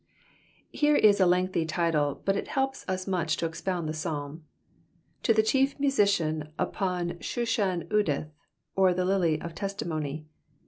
— Eere is a lengthy title, hut U helps us much to expound the Psalm. To the Chief Musician upon Shushan eduth, or the LUy of Testimony.